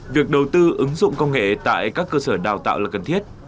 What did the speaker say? việc đầu tư ứng dụng công nghệ tại các cơ sở đào tạo là cần thiết